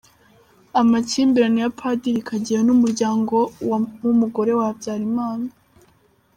Amakimbirane ya padiri Kageyo n’umuryango wa Umugore wa Habyarimana.